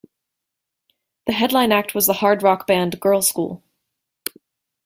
The headline act was the hard rock band Girlschool.